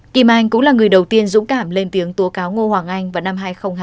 kim anh cũng là người đầu tiên dũng cảm lên tiếng tố cáo ngô hoàng anh vào năm hai nghìn hai mươi